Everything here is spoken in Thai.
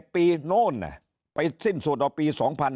๒๗ปีโน้นน่ะไปสิ้นสุดเอาปี๒๕๗๗